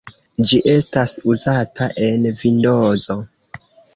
Ĝi estas uzata en Vindozo.